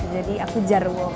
jadi aku jarwo